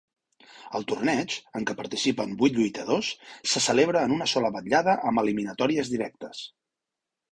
El torneig, en què participen vuit lluitadors, se celebra en una sola vetllada amb eliminatòries directes.